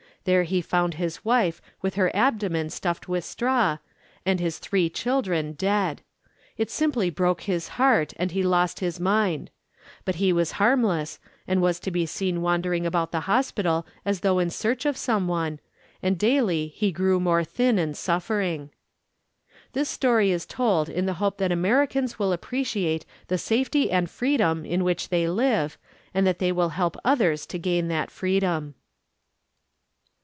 There he found his wife with her abdomen stuffed with straw, and his three children dead. It simply broke his heart, and he lost his mind. But he was harmless, and was to be seen wandering about the hospital as though in search of some one, and daily he grew more thin and suffering. This story is told in the hope that Americans will appreciate the safety and freedom in which they live and that they will help others to gain that freedom.